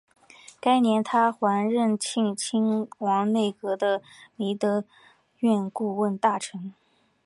该年他还任庆亲王内阁的弼德院顾问大臣。